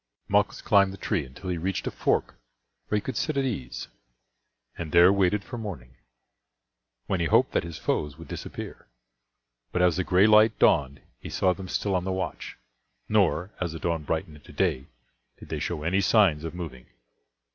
Malchus climbed the tree until he reached a fork where he could sit at ease, and there waited for morning, when he hoped that his foes would disappear. But as the gray light dawned he saw them still on the watch; nor, as the dawn brightened into day, did they show any signs of moving.